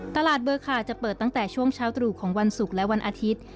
ตลาดเบอร์คาจะเปิดตั้งแต่ช่วงเช้าตรู่ของวันศุกร์และวันอาทิตย์